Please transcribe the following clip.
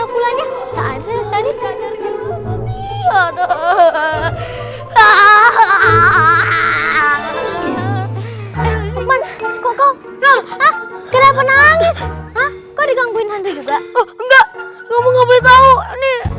kok kau kira penangis kau digangguin hantu juga enggak kamu ngobrol tahu ini